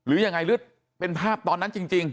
หรือยังไงหรือเป็นภาพตอนนั้นจริง